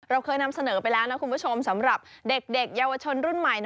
เราเคยนำเสนอไปแล้วนะคุณผู้ชมสำหรับเด็กเยาวชนรุ่นใหม่